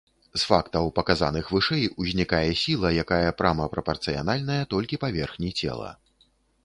З фактаў, паказаных вышэй, узнікае сіла, якая прама прапарцыянальная толькі паверхні цела.